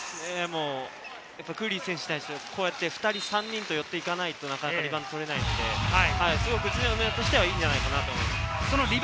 クーリー選手に対して２人、３人と寄っていかないとなかなかリバウンドを取れないので宇都宮としては、いいんじゃないかなと思います。